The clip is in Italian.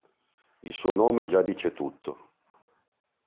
Il suo nome già dice tutto.